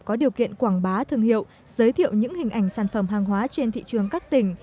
có điều kiện quảng bá thương hiệu giới thiệu những hình ảnh sản phẩm hàng hóa trên thị trường các tỉnh